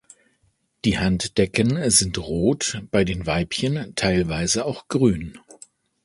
Die Handdecken sind rot, bei den Weibchen teilweise auch grün.